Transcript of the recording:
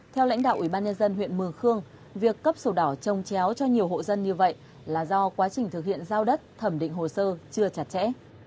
theo lãnh đạo ủy ban nhân dân huyện mường khương việc cấp sổ đỏ trồng chéo cho nhiều hộ dân như vậy là do quá trình thực hiện giao đất thẩm định hồ sơ chưa chặt chẽ